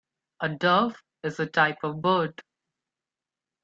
A Dove is a type of bird.